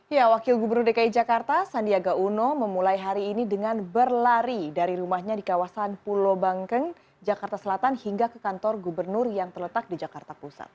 ya wakil gubernur dki jakarta sandiaga uno memulai hari ini dengan berlari dari rumahnya di kawasan pulau bangkeng jakarta selatan hingga ke kantor gubernur yang terletak di jakarta pusat